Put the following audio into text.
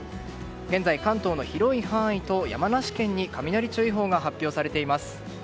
現在、関東の広い範囲と山梨県に雷注意報が発表されています。